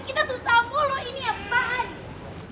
kita susah mulu ini apaan